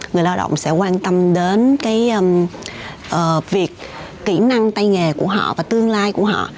người lao động sẽ quan tâm đến cái việc kỹ năng tay nghề của họ và tương lai của họ